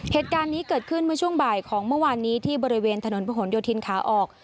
เหตุการณ์นี้เกิดขึ้นเมื่อช่วงบ่ายของเมื่อวานนี้ที่บริเวณถนนพระหลโยธินขาออก